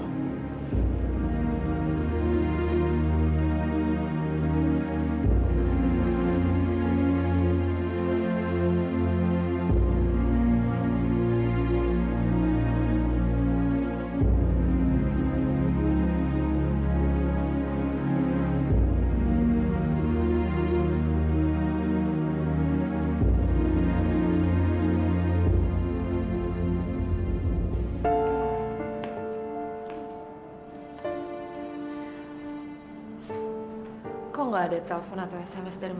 aku kangen banget sama kamu